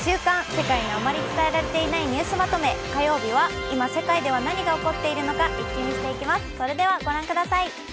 世界のあまり伝えられていないニュースまとめ」火曜日は今世界で何が起こっているのかイッキ見していきます。